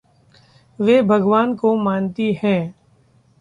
वे भगवान को मानतीं हैं।